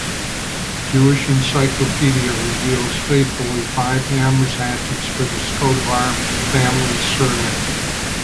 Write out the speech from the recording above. Jewish Encyclopedia reveals faithfully five hammers hatchets for this Coat of Arm family's surname.